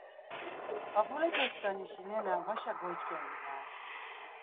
p̌ap̌ulepeskanişi nena vaşa goiç̌ǩendina.